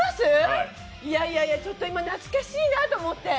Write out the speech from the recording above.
いやいやいや、ちょっと今、懐かしいなと思って。